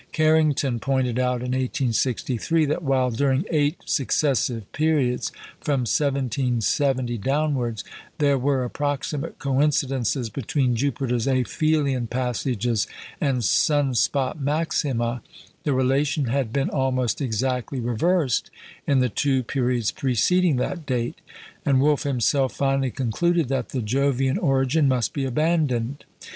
Carrington pointed out in 1863, that while, during eight successive periods, from 1770 downwards, there were approximate coincidences between Jupiter's aphelion passages and sun spot maxima, the relation had been almost exactly reversed in the two periods preceding that date; and Wolf himself finally concluded that the Jovian origin must be abandoned.